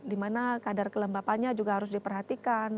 dimana kadar kelembapannya juga harus diperhatikan